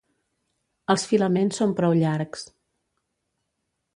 Els filaments són prou llargs.